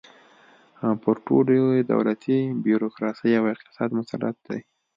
پر ټولې دولتي بیروکراسۍ او اقتصاد مسلط دی.